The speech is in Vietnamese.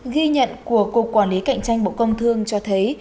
ghi nhận của cục quản lý cạnh tranh bộ công thương cho thấy